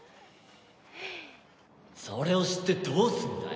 それを知ってどうすんだよ。